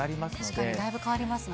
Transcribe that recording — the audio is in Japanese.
確かに、だいぶ変わりますね。